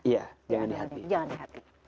iya jangan di hati